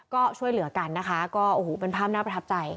ก็ช่วยเหลือกันเป็นภาพนับประทับใจ